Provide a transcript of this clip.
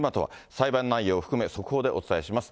裁判内容を含め、速報でお伝えします。